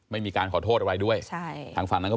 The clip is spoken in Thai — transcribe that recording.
ไม่มีการขอโทษอะไรด้วยใช่ทางฝั่งนั้นก็